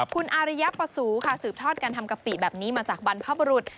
คุณอาริยประสูค่ะสืบทอดการทำกะปิแบบนี้มาจากบรรพบรุษ